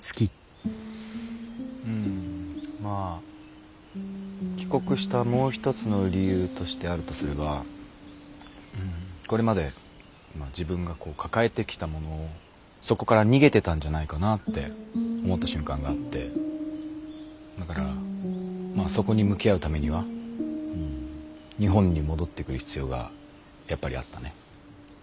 うんまあ帰国したもう一つの理由としてあるとすればこれまで自分が抱えてきたものをそこから逃げてたんじゃないかなって思った瞬間があってだからそこに向き合うためには日本に戻ってくる必要がやっぱりあったね。